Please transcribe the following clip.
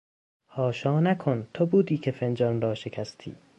حاشا نکن! تو بودی که فنجان را شکستی!